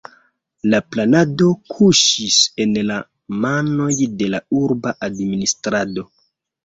La planado kuŝis en la manoj de la urba administrado.